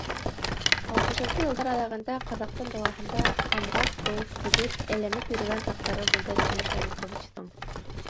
Алтмышынсы йылдар аҙағында Ҡаҙағстан далаһында ҡамғаҡ кеүек кибеп, әйләнеп йөрөгән саҡтары булды Тимер Шәриповичтың.